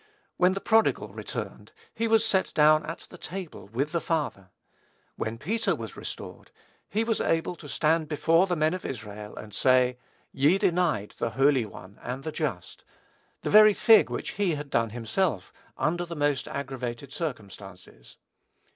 When the prodigal returned, he was set down at the table with the father. When Peter was restored, he was able to stand before the men of Israel and say, "ye denied the Holy One, and the Just," the very thing which he had done himself, under the most aggravated circumstances.